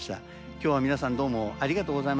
今日は皆さんどうもありがとうございました。